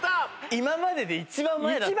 今までで一番前だったよ。